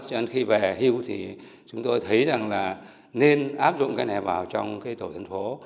cho nên khi về hưu thì chúng tôi thấy rằng là nên áp dụng cái này vào trong cái tổ dân phố